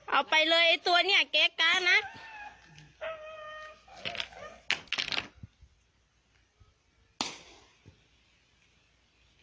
เอาไปเลยไอ้ตัวเนี่ยเก๊กกะนะ